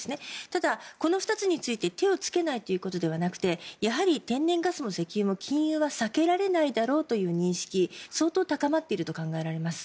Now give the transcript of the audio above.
ただ、この２つについて手をつけないということではなくてやはり天然ガスも石油も禁輸は避けられないだろうという認識が相当高まっていると考えられます。